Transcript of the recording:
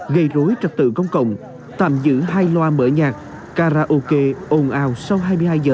gây rối trật tự công cộng tạm giữ hai loa mở nhạc karaoke ồn ào sau hai mươi hai h